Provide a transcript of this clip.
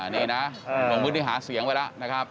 นี่นะผมมึงหาเสียงไว้แล้วนะครับ